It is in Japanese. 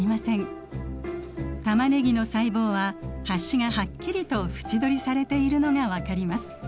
タマネギの細胞は端がはっきりと縁取りされているのが分かります。